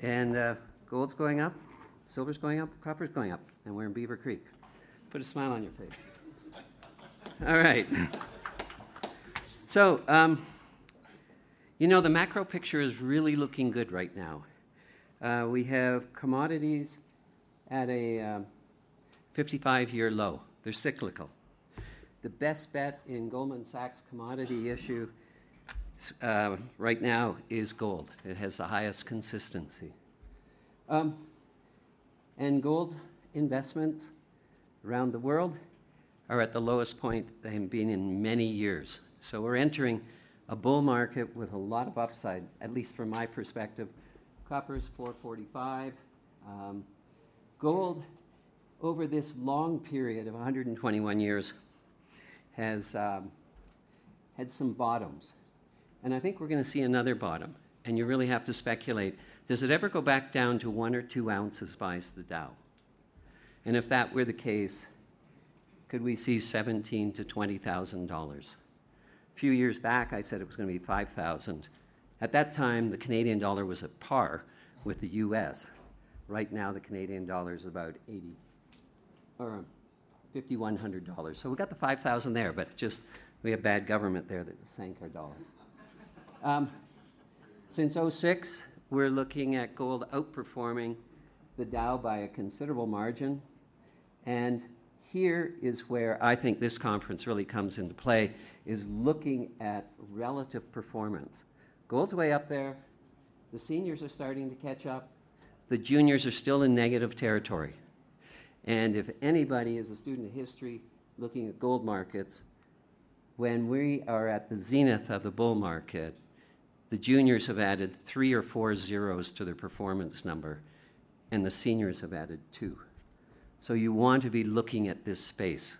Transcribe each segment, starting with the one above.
And gold's going up, silver's going up, copper's going up, and we're in Beaver Creek. Put a smile on your face. All right. So, you know, the macro picture is really looking good right now. We have commodities at a 55-year low. They're cyclical. The best bet in Goldman Sachs' commodity issue right now is gold. It has the highest consistency. And gold investments around the world are at the lowest point they've been in many years. So we're entering a bull market with a lot of upside, at least from my perspective. Copper's 445. Gold, over this long period of 121 years, has had some bottoms. And I think we're going to see another bottom. And you really have to speculate. Does it ever go back down to one or two ounces? Buys the Dow. And if that were the case, could we see $17,000-$20,000? A few years back, I said it was going to be $5,000. At that time, the Canadian dollar was at par with the U.S. Right now, the Canadian dollar is about $0.80. So we've got the $5,000 there, but it's just we have bad government there that's sank our dollar. Since 2006, we're looking at gold outperforming the Dow by a considerable margin. And here is where I think this conference really comes into play, is looking at relative performance. Gold's way up there. The seniors are starting to catch up. The juniors are still in negative territory. And if anybody is a student of history looking at gold markets, when we are at the zenith of the bull market, the juniors have added three or four zeros to their performance number, and the seniors have added two. So you want to be looking at this space.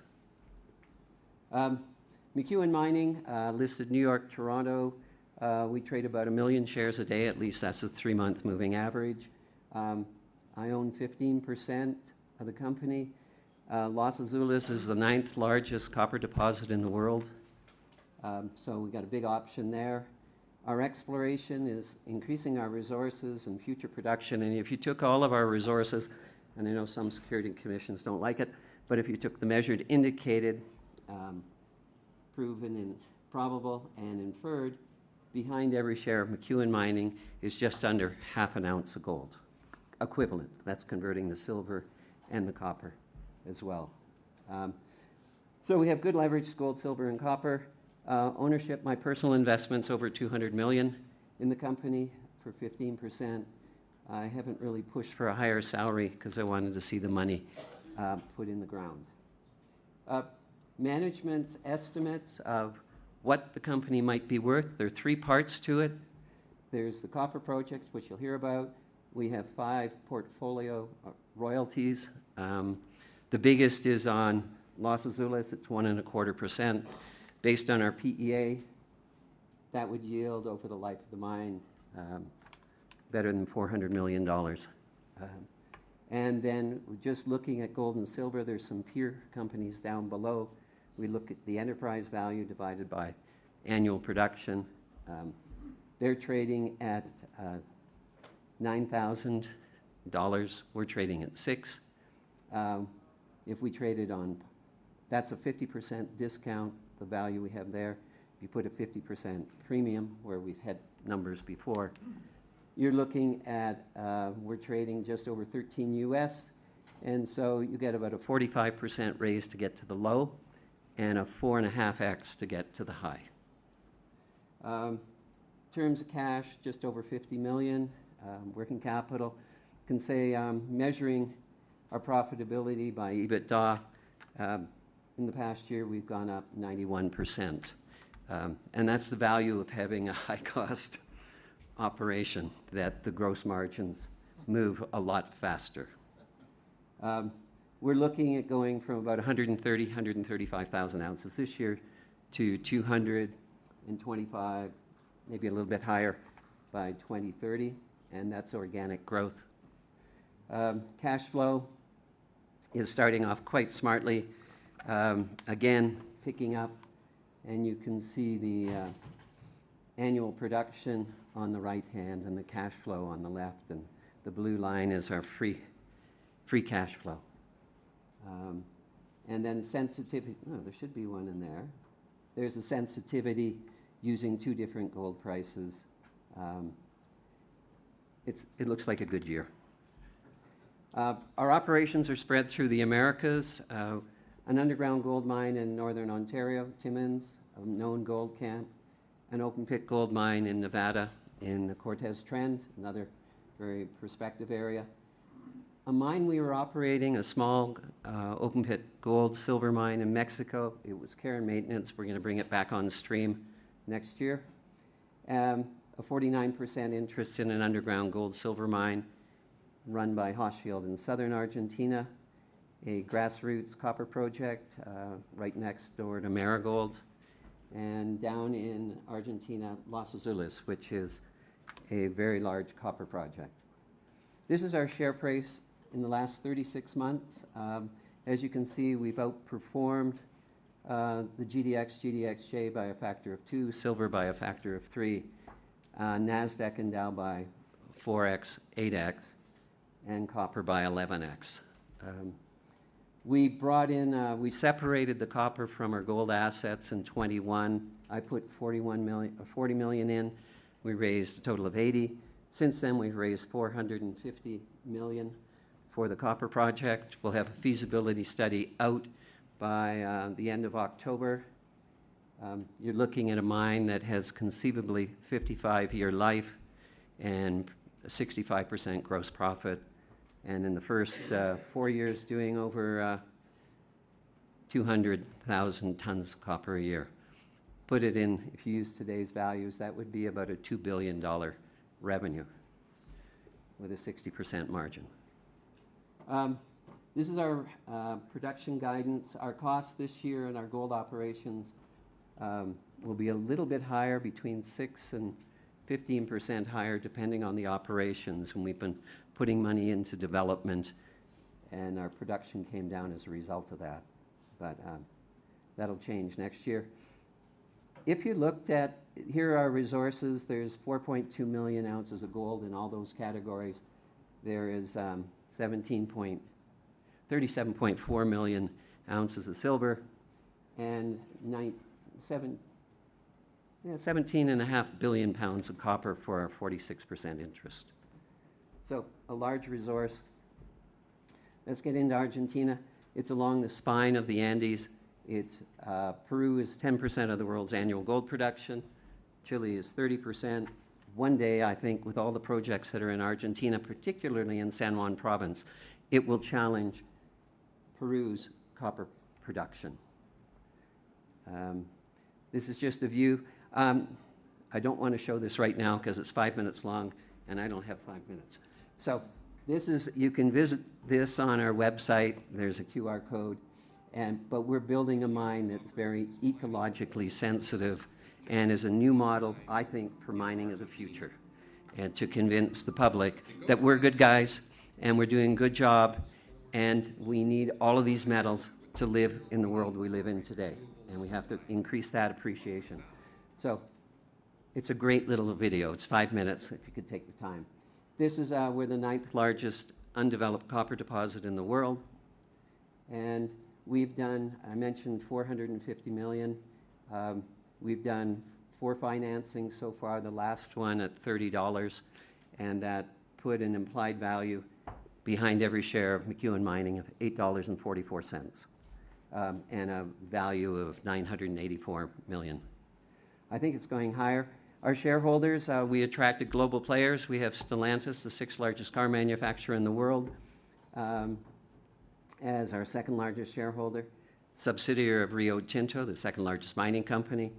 McEwen Mining listed New York, Toronto. We trade about a million shares a day. At least that's a three-month moving average. I own 15% of the company. Los Azules is the ninth largest copper deposit in the world. So we've got a big option there. Our exploration is increasing our resources and future production. And if you took all of our resources, and I know some securities commissions don't like it, but if you took the measured, indicated, proven and probable, and inferred, behind every share of McEwen Mining is just under half an ounce of gold equivalent. That's converting the silver and the copper as well. So we have good leverage gold, silver, and copper. Ownership, my personal investments, over $200 million in the company for 15%. I haven't really pushed for a higher salary because I wanted to see the money put in the ground. Management's estimates of what the company might be worth, there are three parts to it. There's the copper project, which you'll hear about. We have five portfolio royalties. The biggest is on Los Azules. It's 1.25%. Based on our PEA, that would yield over the life of the mine better than $400 million. And then just looking at gold and silver, there's some peer companies down below. We look at the enterprise value divided by annual production. They're trading at $9,000. We're trading at 6. If we traded on, that's a 50% discount, the value we have there. If you put a 50% premium, where we've had numbers before, you're looking at we're trading just over $13 U.S. And so you get about a 45% raise to get to the low and a 4.5x to get to the high. In terms of cash, just over $50 million. Working capital. I can say, measuring our profitability by EBITDA, in the past year, we've gone up 91%, and that's the value of having a high-cost operation, that the gross margins move a lot faster. We're looking at going from about 130,000-135,000 ounces this year to 225,000, maybe a little bit higher by 2030, and that's organic growth. Cash flow is starting off quite smartly. Again, picking up, and you can see the annual production on the right hand and the cash flow on the left, and the blue line is our free cash flow, and then sensitivity. No, there should be one in there. There's a sensitivity using two different gold prices. It looks like a good year. Our operations are spread through the Americas. An underground gold mine in Northern Ontario, Timmins, a known gold camp. An open-pit gold mine in Nevada in the Cortez Trend, another very prospective area. A mine we were operating, a small open-pit gold, silver mine in Mexico. It was care and maintenance. We're going to bring it back on stream next year. A 49% interest in an underground gold, silver mine run by Hochschild in southern Argentina. A grassroots copper project right next door to Marigold, and down in Argentina, Los Azules, which is a very large copper project. This is our share price in the last 36 months. As you can see, we've outperformed the GDX, GDXJ by a factor of 2, silver by a factor of 3. Nasdaq and Dow by 4x, 8x, and copper by 11x. We brought in, we separated the copper from our gold assets in 2021. I put $40 million in. We raised a total of $80 million. Since then, we've raised $450 million for the copper project. We'll have a Feasibility Study out by the end of October. You're looking at a mine that has conceivably 55-year life and 65% gross profit. And in the first four years, doing over 200,000 tons of copper a year. Put it in, if you use today's values, that would be about a $2 billion revenue with a 60% margin. This is our production guidance. Our costs this year and our gold operations will be a little bit higher, between 6% and 15% higher, depending on the operations when we've been putting money into development. And our production came down as a result of that. But that'll change next year. If you looked at here are our resources. There's 4.2 million ounces of gold in all those categories. There is 17.37.4 million ounces of silver and 17.5 billion pounds of copper for our 46% interest. So a large resource. Let's get into Argentina. It's along the spine of the Andes. Peru is 10% of the world's annual gold production. Chile is 30%. One day, I think, with all the projects that are in Argentina, particularly in San Juan Province, it will challenge Peru's copper production. This is just a view. I don't want to show this right now because it's five minutes long, and I don't have five minutes. So this is you can visit this on our website. There's a QR code. But we're building a mine that's very ecologically sensitive and is a new model, I think, for mining of the future. And to convince the public that we're good guys and we're doing a good job and we need all of these metals to live in the world we live in today. And we have to increase that appreciation. So it's a great little video. It's five minutes if you could take the time. This is where the ninth largest undeveloped copper deposit in the world. And we've done, I mentioned, $450 million. We've done four financings so far, the last one at $30. And that put an implied value behind every share of McEwen Mining of $8.44 and a value of $984 million. I think it's going higher. Our shareholders, we attracted global players. We have Stellantis, the sixth largest car manufacturer in the world, as our second largest shareholder. Subsidiary of Rio Tinto, the second largest mining company,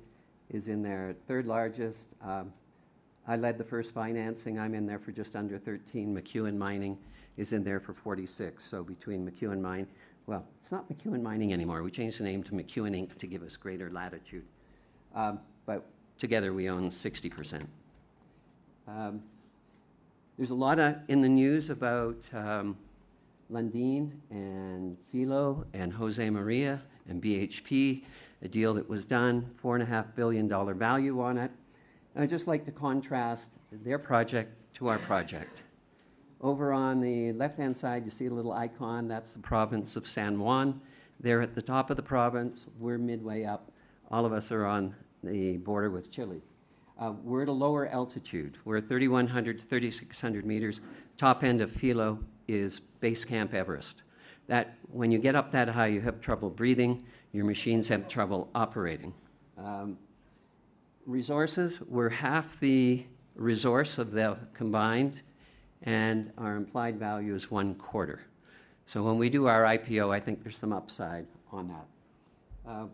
is in there. Third largest. I led the first financing. I'm in there for just under 13. McEwen Mining is in there for 46. So between McEwen Mining, well, it's not McEwen Mining anymore. We changed the name to McEwen Inc. to give us greater latitude. But together, we own 60%. There's a lot in the news about Lundin and Filo and Josemaria and BHP, a deal that was done, $4.5 billion value on it. I'd just like to contrast their project to our project. Over on the left-hand side, you see a little icon. That's the province of San Juan. They're at the top of the province. We're midway up. All of us are on the border with Chile. We're at a lower altitude. We're at 3,100-3,600 meters. Top end of Filo is base camp Everest. That, when you get up that high, you have trouble breathing. Your machines have trouble operating. Resources, we're half the resource of the combined. And our implied value is one quarter. So when we do our IPO, I think there's some upside on that.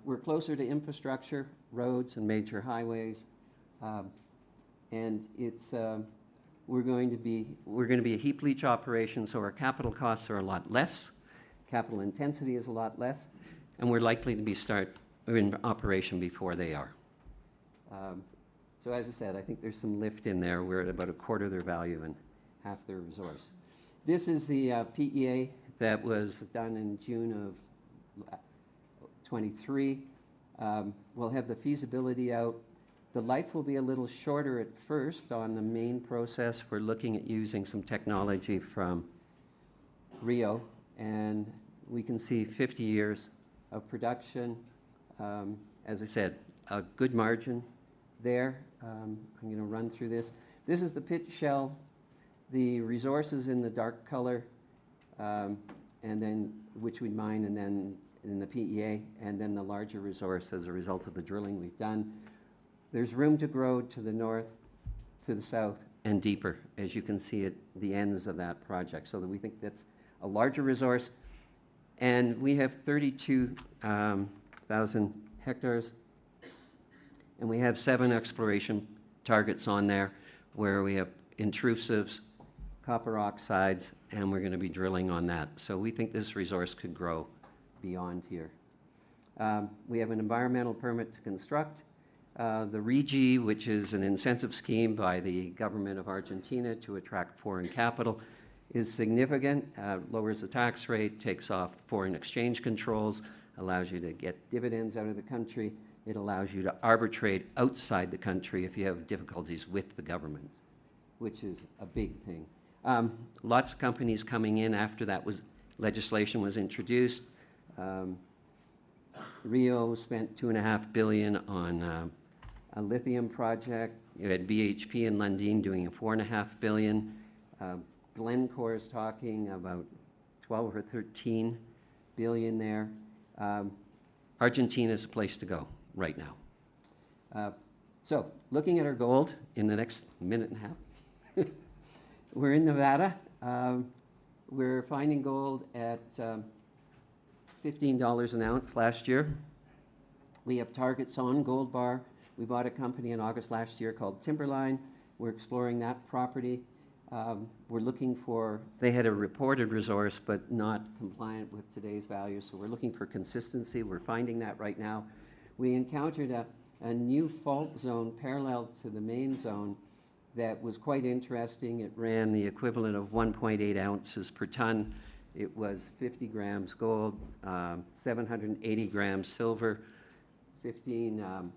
We're closer to infrastructure, roads, and major highways. And we're going to be a heap leach operation, so our capital costs are a lot less. Capital intensity is a lot less. And we're likely to be start in operation before they are. So as I said, I think there's some lift in there. We're at about a quarter of their value and half their resource. This is the PEA that was done in June of 2023. We'll have the feasibility out. The life will be a little shorter at first on the main process. We're looking at using some technology from Rio. And we can see 50 years of production. As I said, a good margin there. I'm going to run through this. This is the pit shell. The resources in the dark color, which we'd mine and then in the PEA, and then the larger resource as a result of the drilling we've done. There's room to grow to the north, to the south, and deeper, as you can see at the ends of that project. So we think that's a larger resource. And we have 32,000 hectares. And we have seven exploration targets on there where we have intrusives, copper oxides, and we're going to be drilling on that. So we think this resource could grow beyond here. We have an environmental permit to construct. The RIGI, which is an incentive scheme by the government of Argentina to attract foreign capital, is significant. Lowers the tax rate, takes off foreign exchange controls, allows you to get dividends out of the country. It allows you to arbitrate outside the country if you have difficulties with the government, which is a big thing. Lots of companies coming in after that legislation was introduced. Rio spent $2.5 billion on a lithium project. You had BHP and Lundin doing a $4.5 billion. Glencore is talking about $12 or $13 billion there. Argentina is a place to go right now. So looking at our gold in the next minute and a half, we're in Nevada. We're finding gold at $15 an ounce last year. We have targets on Gold Bar. We bought a company in August last year called Timberline. We're exploring that property. We're looking for they had a reported resource but not compliant with today's value. So we're looking for consistency. We're finding that right now. We encountered a new fault zone parallel to the main zone that was quite interesting. It ran the equivalent of 1.8 ounces per ton. It was 50 grams gold, 780 grams silver, 15%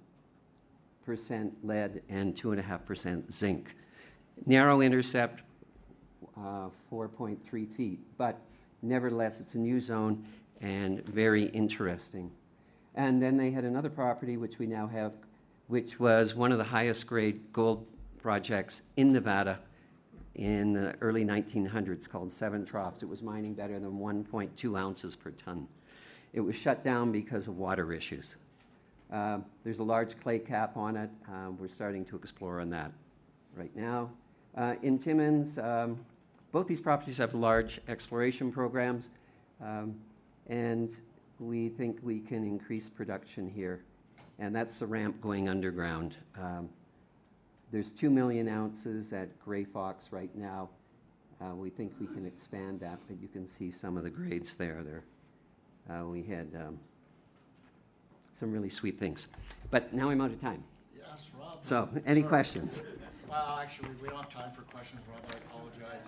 lead, and 2.5% zinc. Narrow intercept, 4.3 ft, but nevertheless, it's a new zone and very interesting, and then they had another property, which we now have, which was one of the highest-grade gold projects in Nevada in the early 1900s called Seven Troughs. It was mining better than 1.2 ounces per ton. It was shut down because of water issues. There's a large clay cap on it. We're starting to explore on that right now. In Timmins, both these properties have large exploration programs, and we think we can increase production here, and that's the ramp going underground. There's 2 million ounces at Grey Fox right now. We think we can expand that, but you can see some of the grades there. We had some really sweet things. But now I'm out of time. Yes, Rob. So any questions? Well, actually, we don't have time for questions, Rob. I apologize.